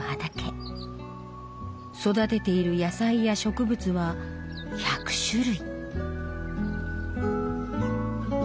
育てている野菜や植物は１００種類。